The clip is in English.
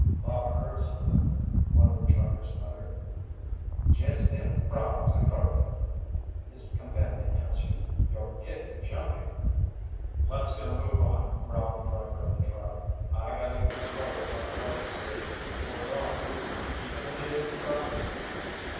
"Thought I heard something!" one of the truckers muttered. "Jest them frogs a croakin'," his companion answered. "You're gettin' jumpy." "Let's get a move on!" growled the driver of the truck. "I gotta get this load to Hartwell City before dawn. You keepin' any of the stuff?"